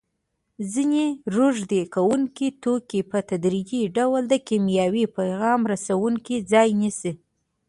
ځینې روږدې کوونکي توکي په تدریجي ډول د کیمیاوي پیغام رسوونکو ځای نیسي.